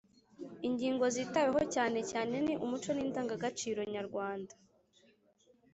ingingo zitaweho cyane cyane ni umuco n’indangagaciro nyarwanda